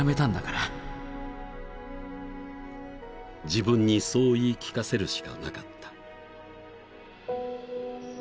［自分にそう言い聞かせるしかなかった］